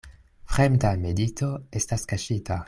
Fremda medito estas kaŝita.